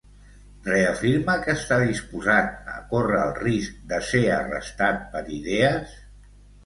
Reafirma que està disposat a córrer el risc de ser arrestat per idees?